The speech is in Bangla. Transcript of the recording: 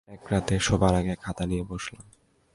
এক রাতে শোবার আগে খাতা নিয়ে বসলাম।